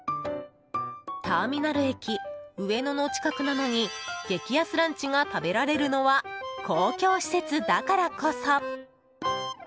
ターミナル駅・上野の近くなのに激安ランチが食べられるのは公共施設だからこそ。